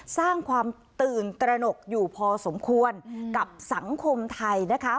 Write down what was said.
สร้างความตื่นตระหนกอยู่พอสมควรกับสังคมไทยนะคะ